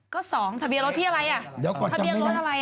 ก็๒ทะเบียนรถพี่อะไรทะเบียนรถอะไร